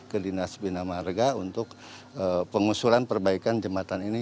ke dinas binamarga untuk pengusulan perbaikan jembatan ini